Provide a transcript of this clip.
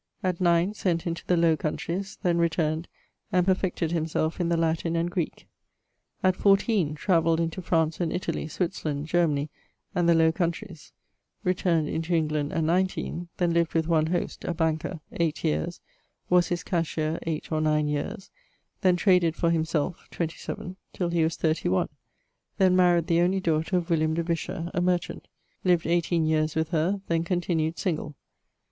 At 9 sent into the Lowe Countreys; then returned, and perfected himselfe in the Latin and Greeke. 14, travelled into France and Italie, Switzerland, Germany, and the Lowe Countreys. Returned into England at 19; then lived with one Hoste, a banquier, 8 yeares, was his cashier 8 or 9 yeares. Then traded for himselfe (27) till he was 31; then maried the only daughter of William de Vischer, a merchant; lived 18 yeares with her, then continued single.